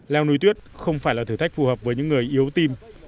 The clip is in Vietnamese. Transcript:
leo núi tuyết không phải là thử thách phù hợp với những người yếu tim